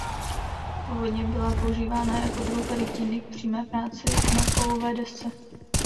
Původně byla používána jako druh rytiny k přímé práci na kovové desce.